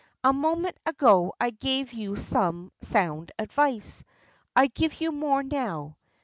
"A moment ago I gave you some sound advice. I give you more now.